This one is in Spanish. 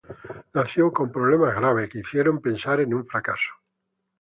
Nació con problemas graves, que hicieron pensar en un fracaso.